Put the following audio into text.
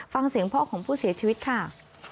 ฟังเสียงพ่อของผู้เสียชีวิตค่ะ